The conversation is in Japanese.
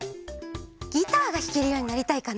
ギターがひけるようになりたいかな！